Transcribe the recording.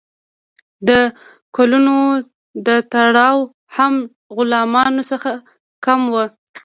د کولونو تړاو هم له غلامانو څخه کم و.